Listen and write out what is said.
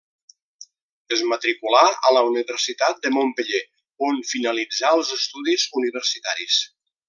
Es matriculà a la Universitat de Montpeller, on finalitzà els estudis universitaris.